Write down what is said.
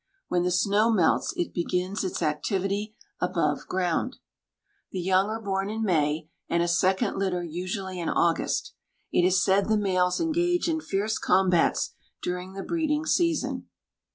When the snow melts it begins its activity above ground. The young are born in May, and a second litter usually in August. It is said the males engage in fierce combats during the breeding season.